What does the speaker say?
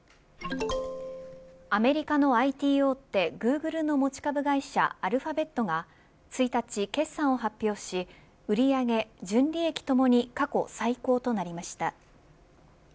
アメリカのＩＴ大手グーグルの持ち株会社アルファベットが１日決算を発表し売上、純利益ともに過去最高となりました。